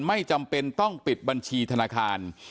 ไม่จำเป็นต้องปิดบัญชีธนาคาร